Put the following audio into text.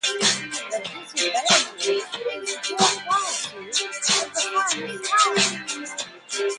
The disadvantage is the poor quality of the final slide.